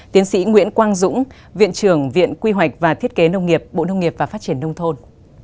tiến sĩ nguyễn quang dũng viện trưởng viện quy hoạch và thiết kế nông nghiệp bộ nông nghiệp và phát triển nông thôn